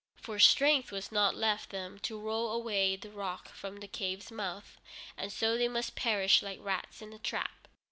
For strength was not left them to roll away the rock from the cave's mouth, and so they must perish like rats in a trap.